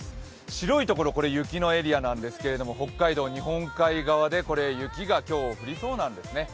白いところ雪のエリアですが、北海道日本海側で雪が今日降りそうなんですね。